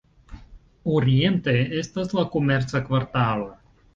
Oriente estas la komerca kvartalo.